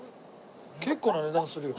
結構な値段するよ。